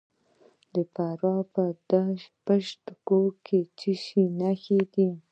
د فراه په پشت کوه کې د څه شي نښې دي؟